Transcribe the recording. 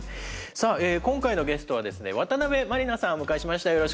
さあ今回のゲストはですね渡辺満里奈さんをお迎えしました。